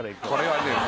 これはね